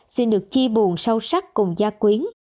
xin được chi buồn sâu sắc cùng gia quyến